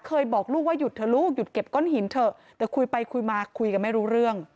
บอกลูกว่าหยุดเถอะลูกหยุดเก็บก้อนหินเถอะแต่คุยไปคุยมาคุยกันไม่รู้เรื่อง